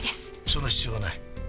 その必要はない。